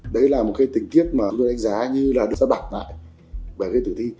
đấy là một cái tình tiết mà chúng tôi đánh giá như là được sắp đặt lại bởi cái tử thi